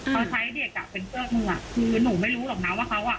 เขาใช้เด็กอ่ะเป็นเสื้อมือคือหนูไม่รู้หรอกนะว่าเขาอ่ะ